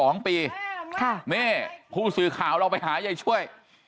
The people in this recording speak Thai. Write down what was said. นี่ผู้สื่อข่าวเราไปหายายช่วย